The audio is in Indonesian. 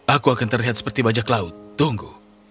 aku akan terlihat seperti bajak laut tunggu